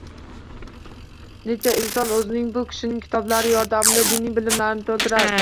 Necha inson o‘zining bu kishining kitoblari yordamida diniy bilimlarini to‘ldirdi